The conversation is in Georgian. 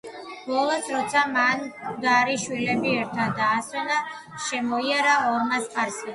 ბოლოს, როცა მან მკვდარი შვილები ერთად დაასვენა, ჩამოიარა ორმა სპარსელმა.